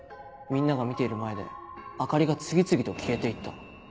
みんなが見ている前で明かりが次々と消えて行った。